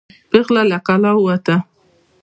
پیغله له کلا ووته.